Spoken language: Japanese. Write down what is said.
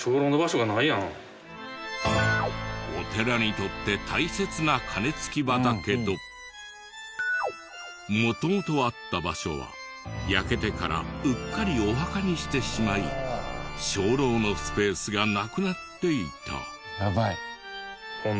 お寺にとって大切な鐘つき場だけど元々あった場所は焼けてからうっかりお墓にしてしまい鐘楼のスペースがなくなっていた。